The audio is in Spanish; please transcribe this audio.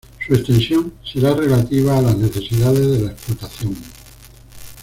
Su extensión será relativa a las necesidades de la explotación.